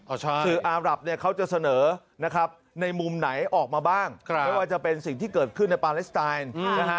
คืออารับเขาจะเสนอในมุมไหนออกมาบ้างไม่ว่าจะเป็นสิ่งที่เกิดขึ้นในปาเลสไตน์